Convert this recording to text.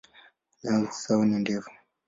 Nyayo zao ni ndefu.